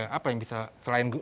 jadi pas ini